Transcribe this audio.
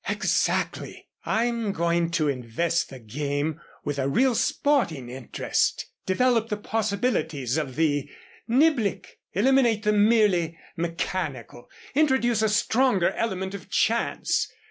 "Exactly. I'm going to invest the game with a real sporting interest, develop the possibilities of the niblick, eliminate the merely mechanical, introduce a stronger element of chance.